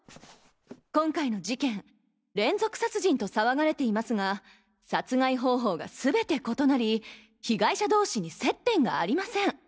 今回の事件連続殺人と騒がれていますが殺害方法が全て異なり被害者どうしに接点がありません。